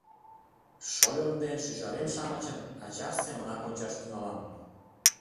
— Шольым ден шӱжарем-шамычым ачашт семынак ончаш тӱҥалам.